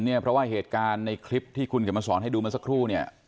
เพราะว่าเหตุการณ์ในคลิปที่คุณอาจจะมาสอนให้ดูนี้สักครู่